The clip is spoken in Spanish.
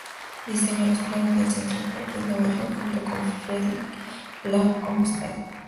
Diseñó los planos del Central Park de Nueva York junto con Frederick Law Olmsted.